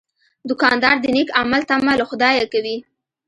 دوکاندار د نیک عمل تمه له خدایه کوي.